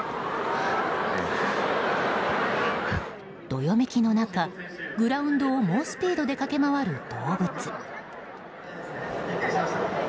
どよめきの中、グラウンドを猛スピードで駆け回る動物。